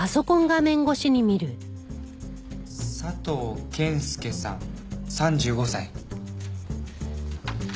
佐藤謙介さん３５歳。